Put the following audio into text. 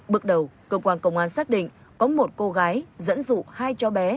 bước đầu cơ quan công an xác định có một cô gái dẫn dụ hai cháu bé